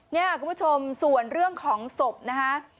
เนี่ยคุณผู้ชมส่วนเรื่องของศพนะคะ